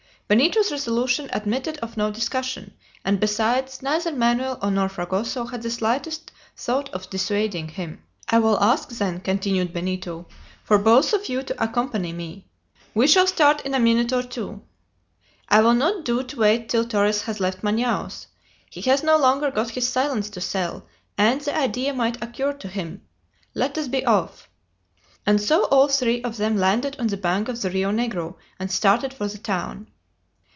Benito's resolution admitted of no discussion; and besides, neither Manoel nor Fragoso had the slightest thought of dissuading him. "I will ask, then," continued Benito, "for both of you to accompany me. We shall start in a minute or two. It will not do to wait till Torres has left Manaos. He has no longer got his silence to sell, and the idea might occur to him. Let us be off!" And so all three of them landed on the bank of the Rio Negro and started for the town.